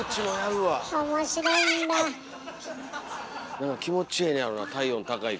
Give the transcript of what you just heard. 何か気持ちええねやろな体温高いから。